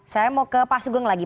saya mau ke pak sugeng lagi